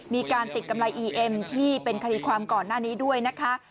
มีการติดกำไรอีเอ็มที่เป็นคดีความก่อนหน้านี้ด้วยนะคะ